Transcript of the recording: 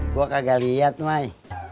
gua kagak liat mai